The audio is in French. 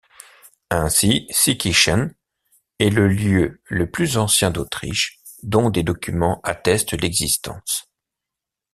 Ainsi Seekichen est le lieu le plus ancien d’Autriche dont des documents attestent l’existence.